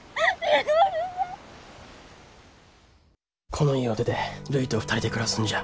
この家を出てるいと２人で暮らすんじゃ。